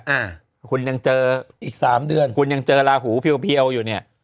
อ่าคุณยังเจออีกสามเดือนคุณยังเจอลาหูเพียวอยู่เนี่ย